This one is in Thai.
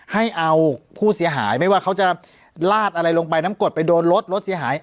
ให้เอาผู้เสียหายไม่ว่าเขาจะลาดอะไรลงไปน้ำกดไปโดนรถรถเสียหาย